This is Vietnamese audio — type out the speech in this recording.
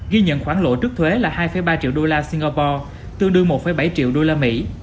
ghi nhận khoản lộ trước thuế là hai ba triệu đô la singapore tương đương một bảy triệu đô la mỹ